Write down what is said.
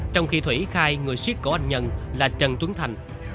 trong khi thủy khai người siết cổ anh nhân là trần tuấn thành